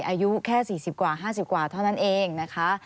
อายุแค่๔๐กว่า๕๐กว่าเท่านั้นเองนะคะ